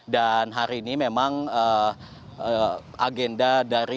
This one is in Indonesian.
dan hari ini memang agenda dari